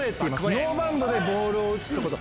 ノーバウンドでボールを打つってこと。